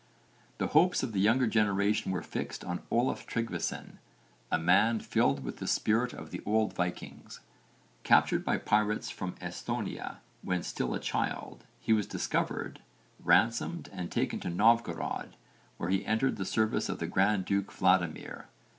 The hopes of the younger generation were fixed on Olaf Tryggvason, a man filled with the spirit of the old Vikings. Captured by pirates from Esthonia when still a child, he was discovered, ransomed, and taken to Novgorod, where he entered the service of the Grand Duke Vladimir.